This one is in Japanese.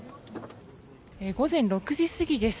午前６時過ぎです。